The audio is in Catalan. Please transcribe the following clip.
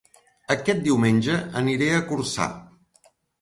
Aquest diumenge aniré a Corçà